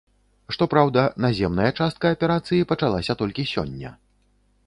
Што праўда, наземная частка аперацыі пачалася толькі сёння.